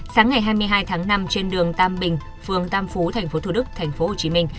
sáng ngày hai mươi hai tháng năm trên đường tam bình phường tam phú tp thủ đức tp hồ chí minh